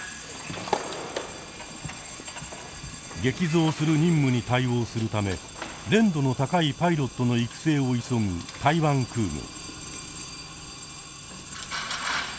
激増する任務に対応するため練度の高いパイロットの育成を急ぐ台湾空軍。